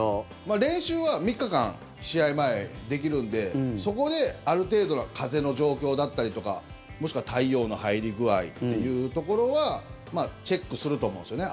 練習は３日間、試合前できるんでそこで、ある程度の風の状況だったりとかもしくは太陽の入り具合っていうところはチェックすると思うんですよね。